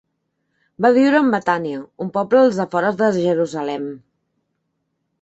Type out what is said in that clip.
Va viure en Betània, un poble als afores de Jerusalem.